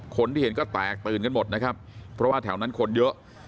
คนที่เห็นก็แตกตื่นกันหมดนะครับเพราะว่าแถวนั้นคนเยอะ